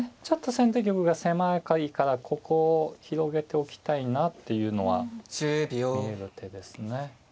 ちょっと先手玉が狭いからここを広げておきたいなっていうのは見える手ですね。